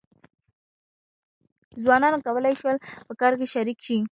ځوانانو کولای شول په کار کې شریک شي.